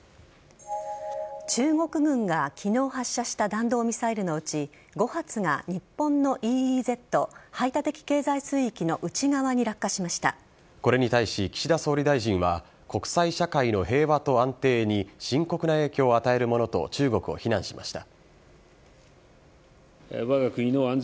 中国軍が昨日発射した弾道ミサイルのうち５発が日本のＥＥＺ＝排他的経済水域のこれに対し、岸田総理大臣は国際社会の平和と安定に深刻な影響を与えるものと中国を非難しました。